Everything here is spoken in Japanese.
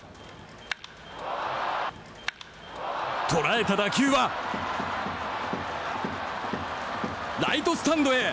捉えた打球はライトスタンドへ！